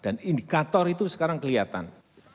dan indikator itu sekarang kelihatan